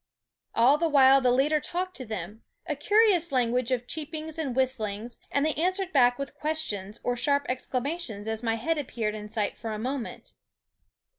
All the while the leader talked to them, a curious language of cheep ings and whistlings ; and they answered back with questions or sharp exclamations as my head appeared in sight for a moment.